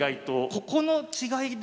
ここの違いで。